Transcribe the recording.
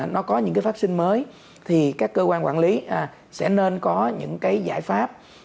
nó có những cái vaccine mới thì các cơ quan quản lý sẽ nên có những cái giải pháp